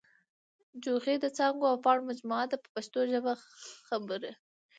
جوغې د څانګو او پاڼو مجموعه ده په پښتو ژبه خبرې.